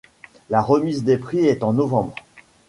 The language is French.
La remise des prix est en novembre.